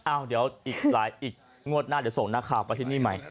อ้าวเดี๋ยวอีกหลายอีกงวดหน้าเดี๋ยวส่งนักข่าวไปที่นี่ใหม่